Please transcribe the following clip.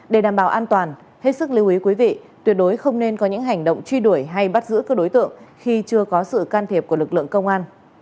để đảm bảo an toàn hết sức lưu ý quý vị tuyệt đối không nên có những hành động truy đuổi hay bắt giữ cơ đối tượng khi chưa có sự can thiệp của lực lượng công an